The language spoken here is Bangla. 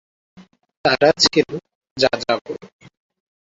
তারা ছিল যাযাবর।